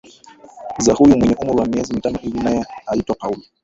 za huyu mwenye umri wa miezi mitano hivi naye aitwa paul